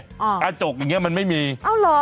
กระจกอย่างเงี้มันไม่มีเอ้าเหรอ